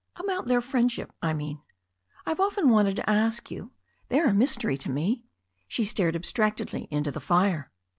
"About their friendship, I mean. I've often wanted to ask you. They're a mystery to me." She stared abstractedly into the fire.